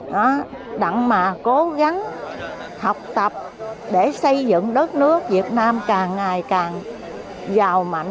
đó đặng mà cố gắng học tập để xây dựng đất nước việt nam càng ngày càng giàu mạnh